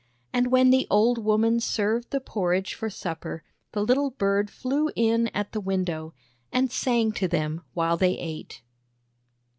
And when the old woman served the porridge for supper, the little bird flew in at the window and sang to them while they ate.